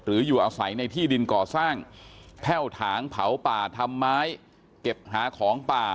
อยู่อาศัยในที่ดินก่อสร้างแพ่วถางเผาป่าทำไม้เก็บหาของป่า